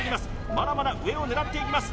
まだまだ上を狙っていきます